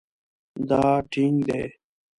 دا ټینګ دی